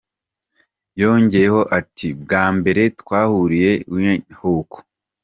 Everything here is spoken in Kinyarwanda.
Yongeyeho ati “Bwa mbere twahuriye i Windhoek.